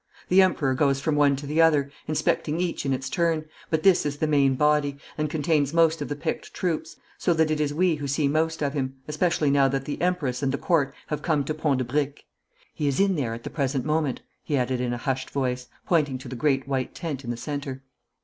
The Emperor goes from one to the other, inspecting each in its turn, but this is the main body, and contains most of the picked troops, so that it is we who see most of him, especially now that the Empress and the Court have come to Pont de Briques. He is in there at the present moment,' he added in a hushed voice, pointing to the great white tent in the centre.